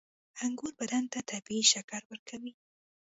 • انګور بدن ته طبیعي شکر ورکوي.